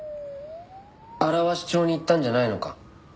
荒鷲町に行ったんじゃないのか？